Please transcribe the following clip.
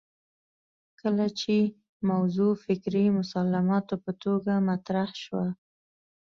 کله چې موضوع فکري مسلماتو په توګه مطرح شوه